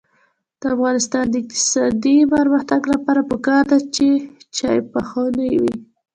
د افغانستان د اقتصادي پرمختګ لپاره پکار ده چې چاپخونې وي.